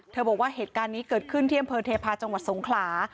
บอกว่าเหตุการณ์นี้เกิดขึ้นที่อำเภอเทพาะจังหวัดสงขลา